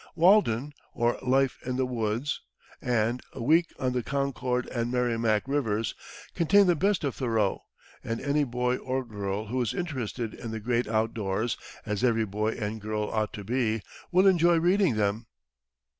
"Walden, or Life in the Woods," and "A Week on the Concord and Merrimac Rivers" contain the best of Thoreau, and any boy or girl who is interested in the great outdoors, as every boy and girl ought to be, will enjoy reading them.